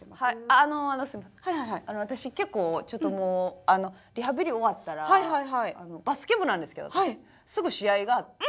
あの私結構ちょっともうリハビリ終わったらバスケ部なんですけどすぐ試合があって。